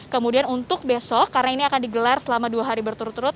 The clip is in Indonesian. kemudian untuk besok karena ini akan digelar selama dua hari berturut turut